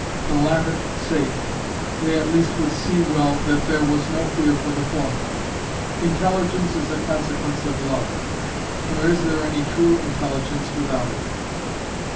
The latter safe, they at least would see well that there was no fear for the former. Intelligence is a consequence of love; nor is there any true intelligence without it.